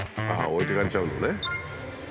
ああ置いていかれちゃうのね。